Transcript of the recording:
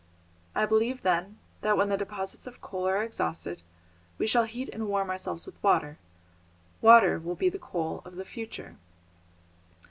I believe, then, that when the deposits of coal are exhausted, we shall heat and warm ourselves with water. Water will be the coal of the future."